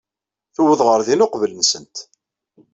Tuweḍ ɣer din uqbel-nsent.